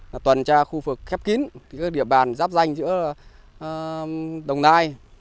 là tuần tra khu vực khép kín các địa bàn giáp danh giữa đồng nai